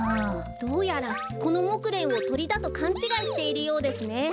どうやらこのモクレンをとりだとかんちがいしているようですね。